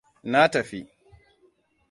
Na tafi.